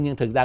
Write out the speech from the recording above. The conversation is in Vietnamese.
nhưng thực ra